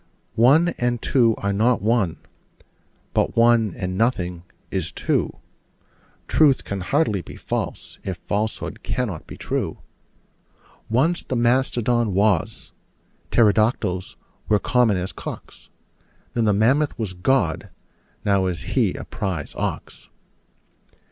One and two are not one: but one and nothing is two: Truth can hardly be false, if falsehood cannot be true. Once the mastodon was: pterodactyls were common as cocks: Then the mammoth was God: now is He a prize ox.